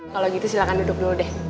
kalau gitu silahkan duduk dulu deh